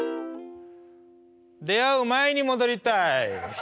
「出会う前に戻りたい」。